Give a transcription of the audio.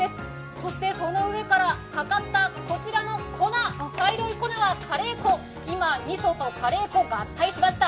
そしてその上からかかったこちらの茶色い粉はカレー粉、今、みそとカレー粉合体しました。